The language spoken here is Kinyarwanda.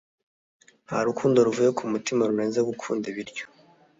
nta rukundo ruvuye ku mutima rurenze gukunda ibiryo